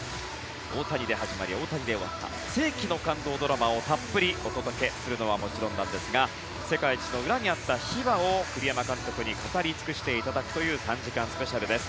大谷で始まり大谷で終わった世紀の感動ドラマをたっぷりお届けするのはもちろんなんですが世界一の裏にあった秘話を栗山監督に語り尽くしていただくという３時間スペシャルです。